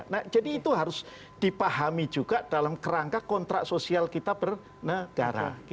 nah jadi itu harus dipahami juga dalam kerangka kontrak sosial kita bernegara